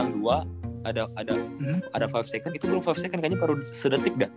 itu belum lima second kayaknya baru sedetik dah